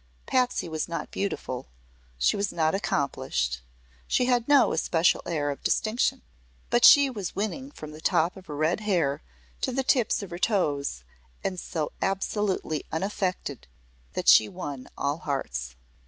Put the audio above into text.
Patsy was not beautiful; she was not accomplished; she had no especial air of distinction. But she was winning from the top of her red hair to the tips of her toes, and so absolutely unaffected that she won all hearts.